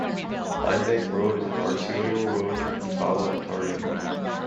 Limebank Road is an Arterial road in Ottawa, Ontario.